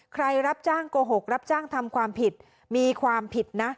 รับจ้างโกหกรับจ้างทำความผิดมีความผิดนะ